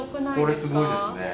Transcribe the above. これすごいですね